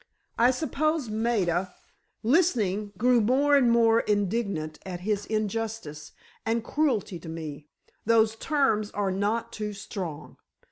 I suppose Maida, listening, grew more and more indignant at his injustice and cruelty to me—those terms are not too strong!